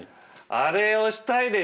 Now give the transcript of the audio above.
あれ押したいでしょ？